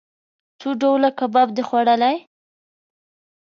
څو ډوله کباب د خوړلئ؟